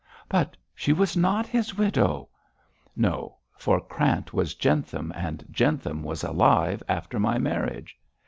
'But she was not his widow!' 'No, for Krant was Jentham, and Jentham was alive after my marriage.'